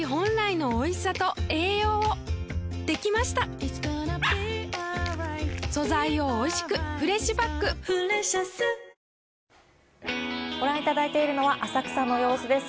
明治おいしい牛乳ご覧いただいているのは浅草の様子です。